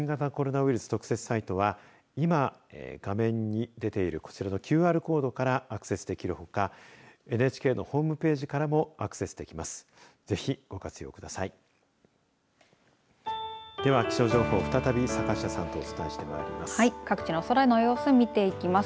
ＮＨＫの新型コロナウイルス特設サイトは今、画面に出ているこちらのＱＲコードからアクセスできるほかＮＨＫのホームページからもアクセスできます。